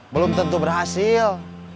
belum tentu berhasil